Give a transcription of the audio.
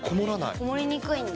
こもりにくいんだ。